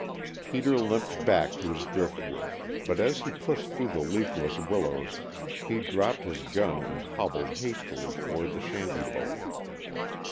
Peter limped back to his driftwood, but as he pushed through the leafless willows he dropped his gun and hobbled hastily toward the shanty boat.